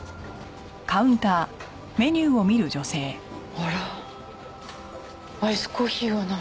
あらアイスコーヒーがない。